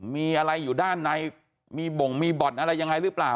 มีอะไรอยู่ด้านในมีบ่งมีบ่อนอะไรยังไงหรือเปล่า